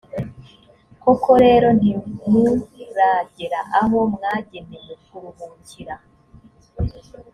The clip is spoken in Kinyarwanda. koko rero ntimuragera aho mwagenewe kuruhukira,